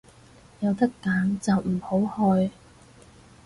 有得揀就唔好去